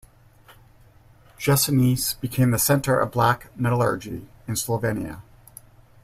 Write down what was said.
Jesenice became the center of black metallurgy in Slovenia.